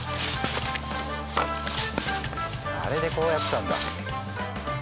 あれでこうやってたんだ。